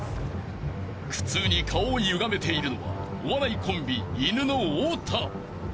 ［苦痛に顔をゆがめているのはお笑いコンビいぬの太田］